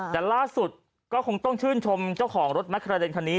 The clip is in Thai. แต่ล่าสุดก็คงต้องชื่นชมเจ้าของรถแมคกระเด็นคันนี้